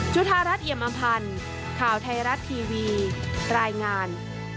จุธารัฐเอียมอำพันธ์ข่าวไทยรัฐทีวีรายงาน